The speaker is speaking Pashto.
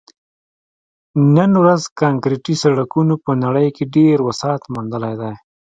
نن ورځ کانکریټي سړکونو په نړۍ کې ډېر وسعت موندلی دی